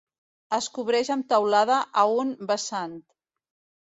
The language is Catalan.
Es cobreix amb teulada a un vessant.